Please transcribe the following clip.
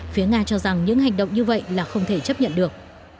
phía nga cho rằng những hành động như vậy là không thể chấp nhận được